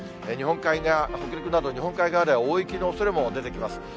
日本海側、北陸など、日本海側では大雪のおそれも出てきます。